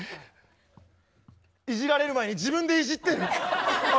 いじられる前に自分でいじってる。